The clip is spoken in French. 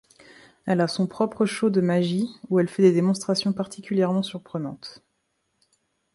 Elle a son propre show de magie où elle fait des démonstrations particulièrement surprenantes.